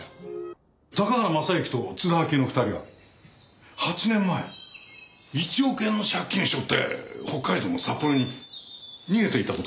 高原雅之と津田明江の２人は８年前１億円の借金を背負って北海道の札幌に逃げていた事がわかりました。